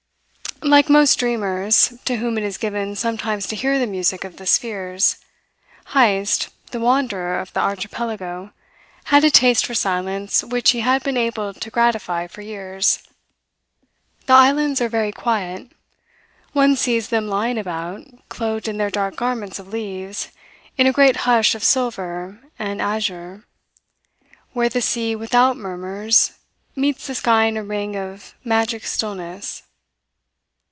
Like most dreamers, to whom it is given sometimes to hear the music of the spheres, Heyst, the wanderer of the Archipelago, had a taste for silence which he had been able to gratify for years. The islands are very quiet. One sees them lying about, clothed in their dark garments of leaves, in a great hush of silver and azure, where the sea without murmurs meets the sky in a ring of magic stillness.